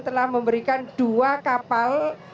telah memberikan dua kapal